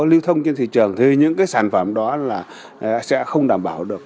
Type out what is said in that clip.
lưu thông trên thị trường thì những cái sản phẩm đó là sẽ không đảm bảo được